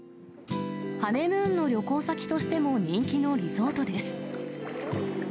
ハネムーンの旅行先としても人気のリゾートです。